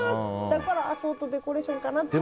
だからアソートデコレーションかなと。